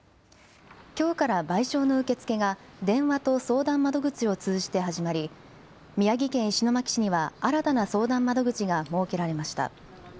きょうから賠償の受け付けが電話と相談窓口を通じて始まり、宮城県石巻市には、新たな相談窓口が設けられました。